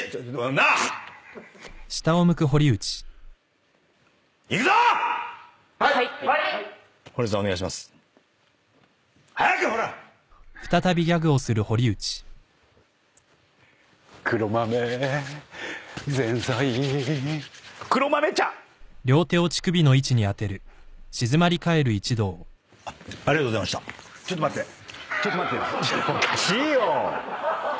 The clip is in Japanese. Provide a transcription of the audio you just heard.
おかしいよ。